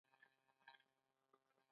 لکه خوب او ارمان ته دې چې څوک نږدې کوي.